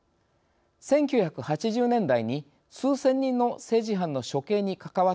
１９８０年代に数千人の政治犯の処刑に関わったとされます。